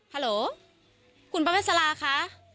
ฮัลโหลคุณประพัทย์สลาค่ะ